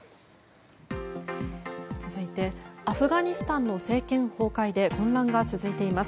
続いてアフガニスタンの政権崩壊で混乱が続いています。